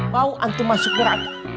mau antung masuk gerakan